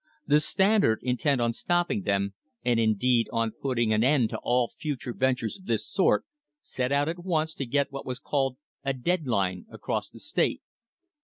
The Standard, intent on stopping them, and indeed on putting an end to all future ventures of this sort, set out at once to get what was called a "dead line" across the state.